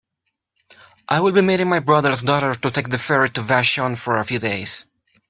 I will be meeting my brother's daughter to take the ferry to Vashon for a few days.